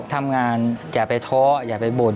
ทำงานอย่าไปท้ออย่าไปบ่น